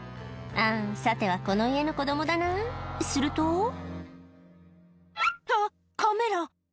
あぁさてはこの家の子供だな？すると「あっカメラ」